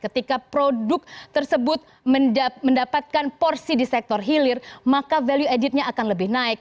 ketika produk tersebut mendapatkan porsi di sektor hilir maka value addednya akan lebih naik